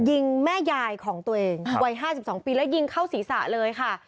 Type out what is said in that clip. ยิงแม่ยายของตัวเองวัย๕๒ปีแล้วยิงเข้าศีรษะเลยค่ะ